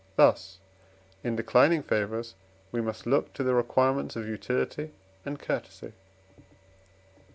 Thus, in declining favours, we must look to the requirements of utility and courtesy.